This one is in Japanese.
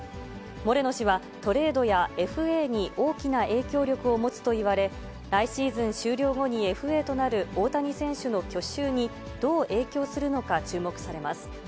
モレノ氏は、トレードやＦＡに大きな影響力を持つといわれ、来シーズン終了後にＦＡとなる大谷選手の去就にどう影響するのか注目されます。